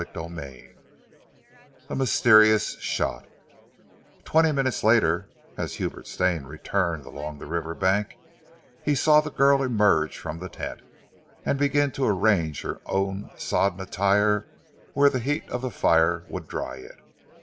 CHAPTER VI A MYSTERIOUS SHOT Twenty minutes later, as Hubert Stane returned along the river bank, he saw the girl emerge from the tent, and begin to arrange her own sodden attire where the heat of the fire would dry it.